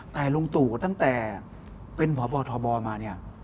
แต่ลุงตู้ก็ตั้งแต่เป็นพบทบมา